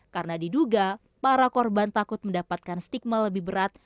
karena diduga para korban takut mendapatkan stigma lebih berat